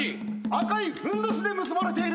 赤いふんどしで結ばれている。